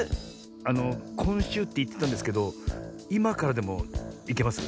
あのこんしゅうっていってたんですけどいまからでもいけます？